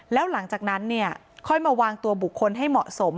แล้วหลังจากนั้นเนี่ยค่อยมาวางตัวบุคคลให้เหมาะสม